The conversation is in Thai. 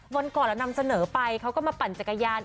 วันก่อนเรานำเสนอไปเขาก็มาปั่นจักรยาน